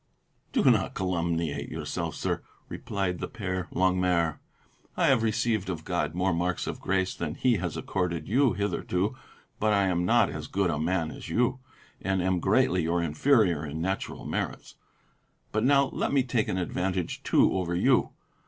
"Do not calumniate yourself, sir," replied the Père Longuemare. "I have received of God more marks of grace than He has accorded you hitherto; but I am not as good a man as you, and am greatly your inferior in natural merits. But now let me take an advantage too over you.